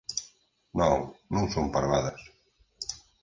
Non, non son parvadas!